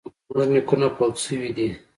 زموږ نیکونه فوت شوي دي